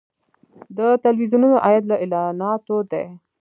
د تلویزیونونو عاید له اعلاناتو دی